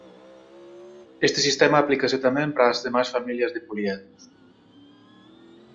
Este sistema aplícase tamén para as demais familias de poliedros.